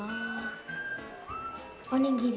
おにぎり。